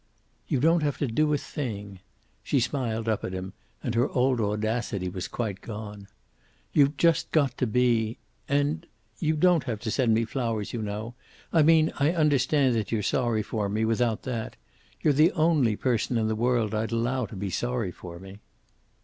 "You don't have to do a thing." She smiled up at him, and her old audacity was quite gone. "You've just got to be. And you don't have to send me flowers, you know. I mean, I understand that you're sorry for me, without that. You're the only person in the world I'd allow to be sorry for me."